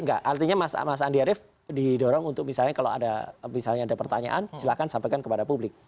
enggak artinya mas andi arief didorong untuk misalnya kalau ada misalnya ada pertanyaan silahkan sampaikan kepada publik